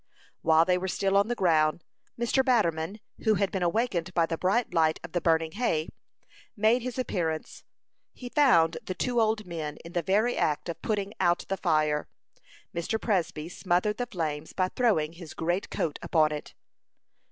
While they were still on the ground, Mr. Batterman, who had been awakened by the bright light of the burning hay, made his appearance. He found the two old men in the very act of putting out the fire. Mr. Presby smothered the flames by throwing his great coat upon it.